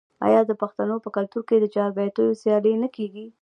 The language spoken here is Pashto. آیا د پښتنو په کلتور کې د چاربیتیو سیالي نه کیږي؟